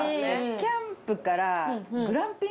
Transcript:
キャンプから。